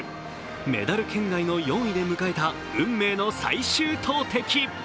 メダル圏外の４位で迎えた運命の最終投てき。